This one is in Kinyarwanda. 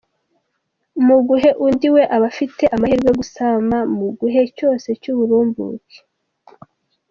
Muguhe undi we aba afite amahirwe yo gusama mu guhe cyose cy’uburumbuke.